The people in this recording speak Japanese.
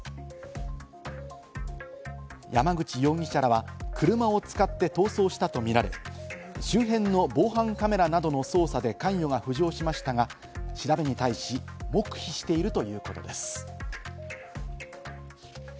山口容疑者らは車を使って逃走したとみられ、周辺の防犯カメラなどの捜査で関与が浮上しましたが、調べに対し黙秘しているということです。